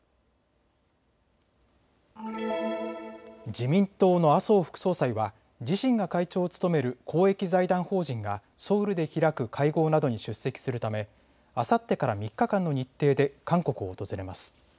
自民党の麻生副総裁は自身が会長を務める公益財団法人がソウルで開く会合などに出席するためあさってから３日間の日程で韓国を訪れます。